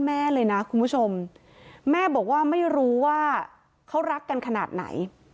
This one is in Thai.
แม่เลยนะคุณผู้ชมแม่บอกว่าไม่รู้ว่าเขารักกันขนาดไหน